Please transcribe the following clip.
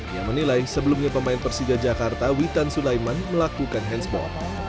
yang menilai sebelumnya pemain persija jakarta witan sulaiman melakukan handsboard